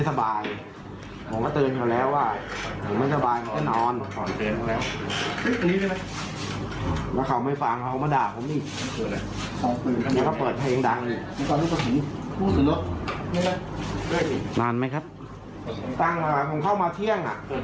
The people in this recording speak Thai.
สมัยว่าตั้งมาผมเข้ามาเที่ยงก็ถอดเหตุตอนบ่าย๓